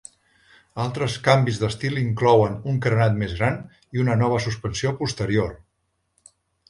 Altres canvis d'estil inclouen un carenat més gran i una nova suspensió posterior.